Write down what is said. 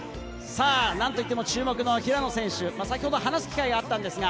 なんといっても注目の平野選手、先ほど話す機会がありました。